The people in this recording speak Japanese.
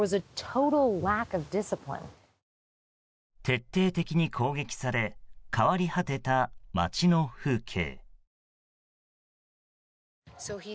徹底的に攻撃され変わり果てた街の風景。